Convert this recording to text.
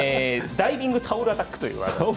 ダイビングタオルアタックといいます。